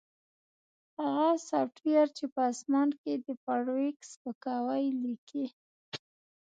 هغه سافټویر چې په اسمان کې د فارویک سپکاوی لیکي